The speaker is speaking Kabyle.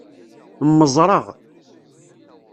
Mmeẓreɣ.